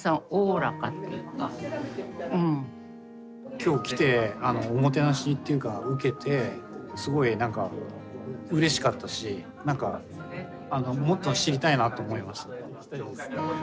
今日来ておもてなしっていうか受けてすごいなんかうれしかったしなんかもっと知りたいなと思いました。